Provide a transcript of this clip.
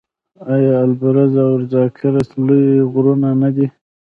آیا البرز او زاگرس لوی غرونه نه دي؟